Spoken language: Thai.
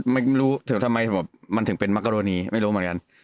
ไม่รู้ถึงทำไมมันถึงเป็นมกรณีไม่รู้เหมือนกัน